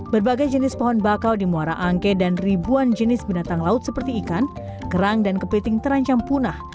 berbagai jenis pohon bakau di muara angke dan ribuan jenis binatang laut seperti ikan kerang dan kepiting terancam punah